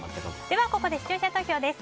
ここで視聴者投票です。